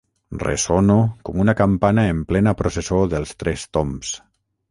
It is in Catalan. Ressono com una campana en plena processó dels Tres Tombs.